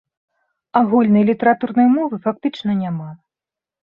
Агульнай літаратурнай мовы фактычна няма.